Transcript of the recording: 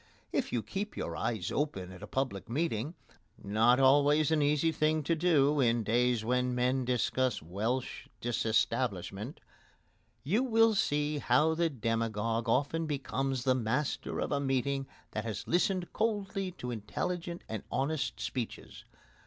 If you keep your eyes open at a public meeting not always an easy thing to do in days when men discuss Welsh Disestablishment you will see how the demagogue often becomes the master of a meeting that has listened coldly to intelligent and honest speeches.